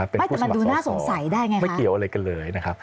เป็นผู้สมัครสอไม่เกี่ยวอะไรกันเลยนะครับ